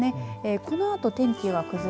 このあと天気は崩れ